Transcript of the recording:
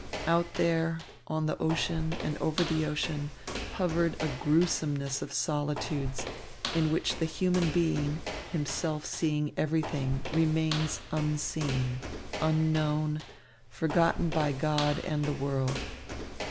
Out there, on the ocean and over the ocean, hovered a gruesomeness of solitudes, in which the human being, himself seeing everything, remains unseen, unknown, forgotten by God and the world.